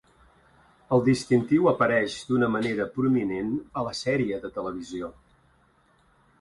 El distintiu apareix d'una manera prominent a la sèrie de televisió "".